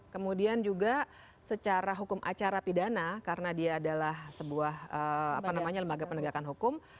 kemudian juga secara hukum acara pidana karena dia adalah sebuah lembaga penegakan hukum